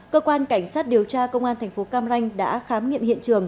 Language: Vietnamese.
cơ quan cảnh sát điều tra công an tp cam ranh đã khám nghiệm hiện trường